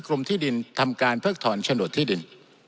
กรมที่ดินทำการเพิกถอนโฉนดที่ดิน